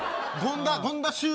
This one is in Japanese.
権田修ー。